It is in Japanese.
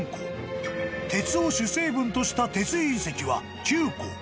［鉄を主成分とした鉄隕石は９個］